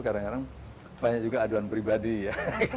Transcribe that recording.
kadang kadang banyak juga aduan pribadi ya